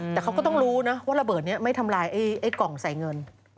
แต่เขาก็ต้องรู้นะว่าระเบิดนี้ไม่ทำลายไอ้กล่องใส่เงิน